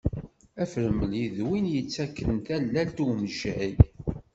Afremli d win yettaken tallelt i umejjay.